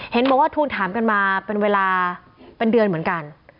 เห็นบอกว่าทวงถามกันมาเป็นเวลาเป็นเดือนเหมือนกัน